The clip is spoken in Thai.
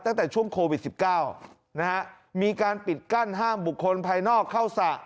ตั้งแต่ช่วงโควิด๑๙นะฮะมีการปิดกั้นห้ามบุคคลภายนอกเข้าสระ